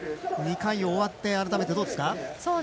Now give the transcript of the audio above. ２回終わって改めて、どうですか。